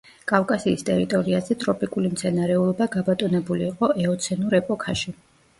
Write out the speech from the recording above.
კავკასიის ტერიტორიაზე ტროპიკული მცენარეულობა გაბატონებული იყო ეოცენურ ეპოქაში.